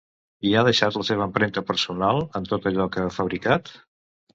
I ha deixat la seva empremta personal en tot allò que ha fabricat?